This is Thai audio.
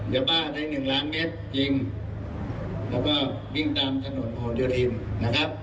อย่าบ้าในหนึ่งล้านเมตรจริงแล้วก็วิ่งตามถนนโอเดียทินนะครับ